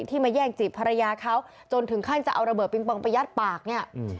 มาแย่งจีบภรรยาเขาจนถึงขั้นจะเอาระเบิดปิงปองไปยัดปากเนี่ย